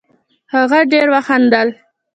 هغه ډېر وخندل